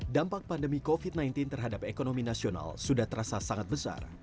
dampak pandemi covid sembilan belas terhadap ekonomi nasional sudah terasa sangat besar